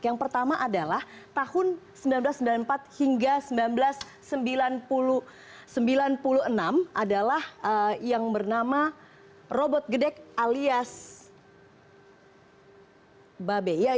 yang pertama adalah tahun seribu sembilan ratus sembilan puluh empat hingga seribu sembilan ratus sembilan puluh enam adalah yang bernama robot gedek alias babe